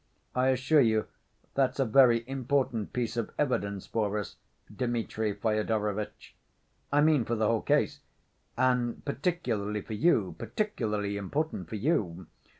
I assure you, that's a very important piece of evidence for us, Dmitri Fyodorovitch, I mean for the whole case ... and particularly for you, particularly important for you."